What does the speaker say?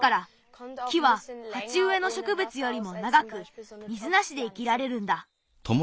木ははちうえのしょくぶつよりもながく水なしで生きられるんだ。